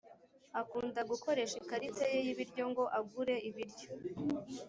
akunda gukoresha ikarita ye y ibiryo ngo agure ibiryo